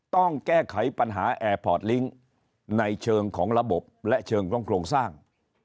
ต้องแก้ไขปัญหาแอร์พอร์ตลิงค์ในเชิงของระบบและเชิงของโครงสร้าง